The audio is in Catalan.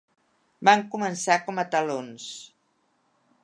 Van començar com a talons.